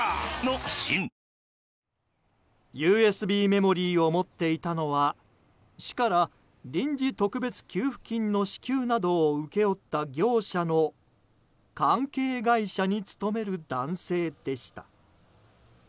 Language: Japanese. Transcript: ＵＳＢメモリーを持っていたのは市から臨時特別給付金の支給などを請け負った業者の関係会社に勤める男性でした。